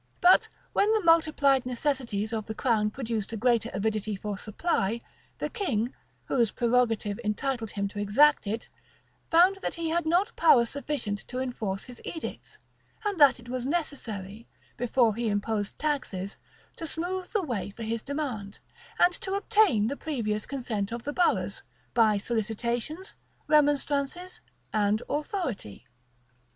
But when the multiplied necessities of the crown produced a greater avidity for supply, the king, whose prerogative entitled him to exact it, found that he had not power sufficient to enforce his edicts, and that it was necessary, before he imposed taxes, to smooth the way for his demand, and to obtain the previous consent of the boroughs, by solicitations, remonstrances, and authority.